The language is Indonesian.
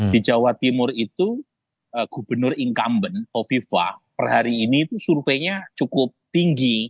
di jawa timur itu gubernur incumbent of viva per hari ini itu surveinya cukup tinggi